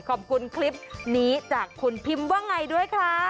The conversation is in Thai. ขอบคุณคลิปนี้จากคุณพิมพ์ว่าไงด้วยค่ะ